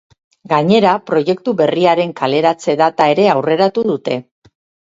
Gainera, proiektu berriaren kaleratze data ere aurreratu dute.